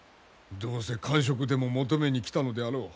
どうせ官職でも求めに来たのであろう。